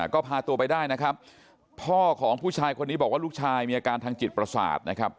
ก็พาตัวไปได้นะครับพ่อของผู้ชายคนนี้บอกว่าลูกชายมีอาการทางจิตประสาทนะครับ